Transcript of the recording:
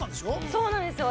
◆そうなんですよ。